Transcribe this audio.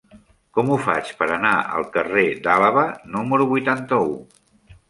Com ho faig per anar al carrer d'Àlaba número vuitanta-u?